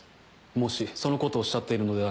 もしそのことをおっしゃっているのであれば。